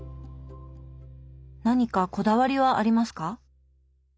何かこだわりはありますか？